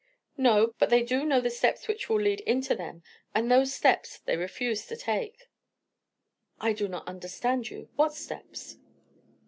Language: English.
"No, but they do know the steps which lead into them, and those steps they refuse to take." "I do not understand you. What steps?"